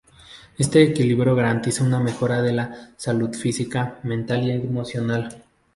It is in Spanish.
Este equilibrio garantiza una mejora de la salud física, mental y emocional.